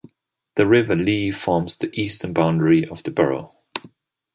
The River Lee forms the eastern boundary of the borough.